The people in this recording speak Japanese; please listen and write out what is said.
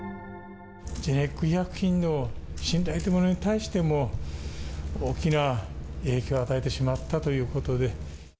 ジェネリック医薬品の信頼というものに対しても、大きな影響を与えてしまったということで。